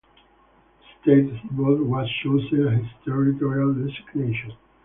The estate he bought was chosen as his territorial designation.